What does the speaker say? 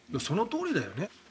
そのとおりだよね。